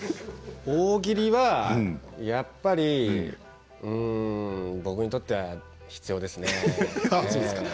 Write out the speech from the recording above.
大喜利はやっぱり僕にとっては必要ですね。